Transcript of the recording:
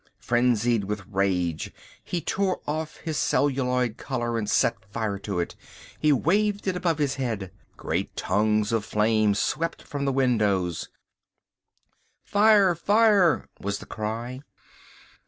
Frenzied with rage, he tore off his celluloid collar and set fire to it. He waved it above his head. Great tongues of flame swept from the windows. "Fire! Fire!" was the cry.